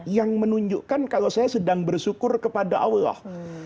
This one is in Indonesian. yang menunjukkan kalau saya sedang bersyukur kepada allah